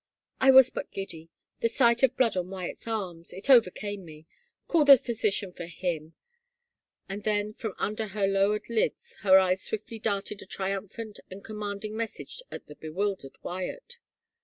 " I was but g^ddy — the sight of blood on Wyatt's arms — it overcame me. Call the physician for him," and then from under her low ered lids her eyes swiftly darted a triumphant and com manding message at the bewildered Wyatt.